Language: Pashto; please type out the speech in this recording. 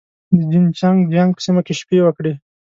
د جين چنګ جيانګ په سیمه کې شپې وکړې.